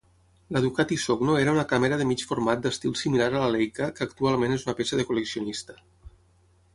La Ducati Sogno era una càmera de mig format d'estil similar a la Leica que actualment és una peça de col·leccionista.